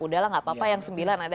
udahlah nggak apa apa yang sembilan ada